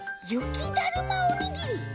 ゆきだるまおにぎり？